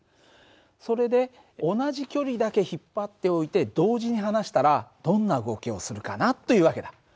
それで同じ距離だけ引っ張っておいて同時に離したらどんな動きをするかなという訳だ。